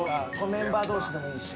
メンバー同士でもいいし？